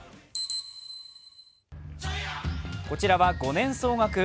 こちらは５年総額